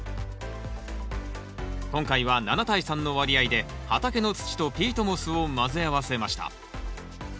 今回は７対３の割合で畑の土とピートモスを混ぜ合わせました。